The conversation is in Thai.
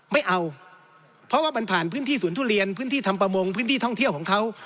ไม่เอาเพราะว่ามันผ่านพื้นที่สวนทุเรียนพื้นที่ทำประมงพื้นที่ท่องเที่ยวของเขา